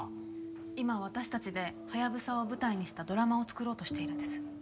今私たちでハヤブサを舞台にしたドラマを作ろうとしているんです。